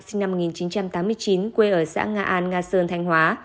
sinh năm một nghìn chín trăm tám mươi chín quê ở xã nga an nga sơn thanh hóa